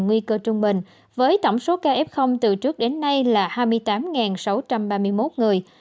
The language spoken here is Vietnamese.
nguy cơ trung bình với tổng số ca f từ trước đến nay là hai mươi tám sáu trăm ba mươi một người